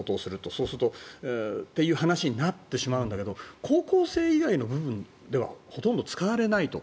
そうするとという話になってしまうんだけど高校生以外の部分ではほとんど使われないと。